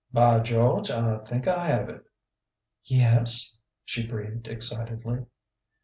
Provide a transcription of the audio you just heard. "By George, I think I have it!..." "Yes ?" she breathed excitedly.